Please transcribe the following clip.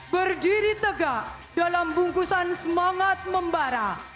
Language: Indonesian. berdiri tegak dalam bungkusan semangat membara